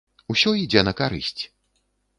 Усё ідзе на карысць.